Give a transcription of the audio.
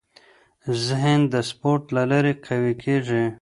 ذهن د سپورت له لارې قوي کېږي.